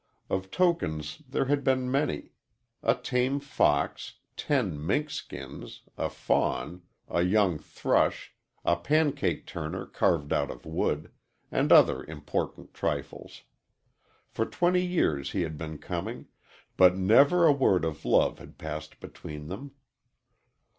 Of tokens there had been many a tame fox, ten mink skins, a fawn, a young thrush, a pancake turner carved out of wood, and other important trifles. For twenty years he had been coming, but never a word of love had passed between them.